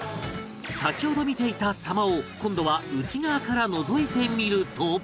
先ほど見ていた狭間を今度は内側からのぞいてみると